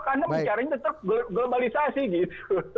kalau keadaan itu caranya tetap globalisasi gitu